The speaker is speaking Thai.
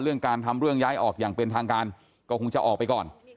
เรื่องการทำเรื่องย้ายออกอย่างเป็นทางการก็คงจะออกไปก่อน